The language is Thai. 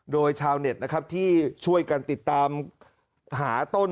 โดยชาวเน็ตนะครับที่ช่วยกันติดตามหาต้น